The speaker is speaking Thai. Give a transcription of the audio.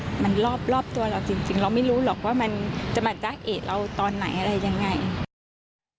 เราไม่รู้หรอกว่ามันจะมาเจ๊ะเอ่ยเราตอนไหนอะไรยังไง